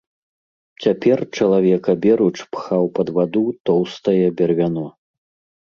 Цяпер чалавек аберуч пхаў пад ваду тоўстае бервяно.